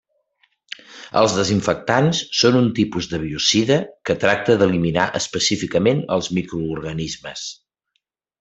Els desinfectants són un tipus de biocida que tracta d'eliminar específicament els microorganismes.